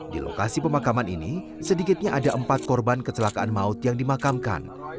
di lokasi pemakaman ini sedikitnya ada empat korban kecelakaan maut yang dimakamkan